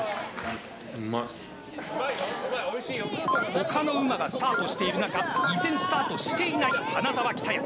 他のうまがスタートしている中依然スタートしていない花澤喜多屋。